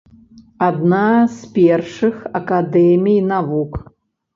Адна з першых акадэмій навук.